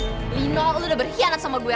linol lo udah berkhianat sama gue